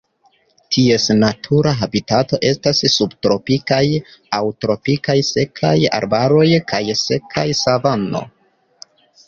Ties natura habitato estas subtropikaj aŭ tropikaj sekaj arbaroj kaj seka savano.